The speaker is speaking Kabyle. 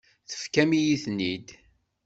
Tefkamt-iyi-ten-id.